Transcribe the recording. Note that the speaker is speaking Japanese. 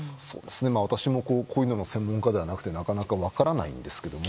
私もこういうものの専門家ではないのでなかなか分からないんですけども。